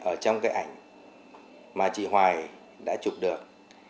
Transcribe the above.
đó là những cái ảnh mà chị hoài đã chụp được